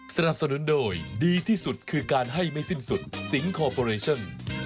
สนับสนุนโดยดีที่สุดคือการให้ไม่สิ้นสุดสิงคอร์ปอเรชั่น